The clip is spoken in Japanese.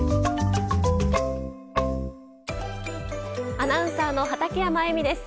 アナウンサーの畠山衣美です。